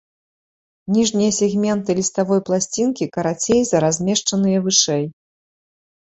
Ніжнія сегменты ліставой пласцінкі карацей за размешчаныя вышэй.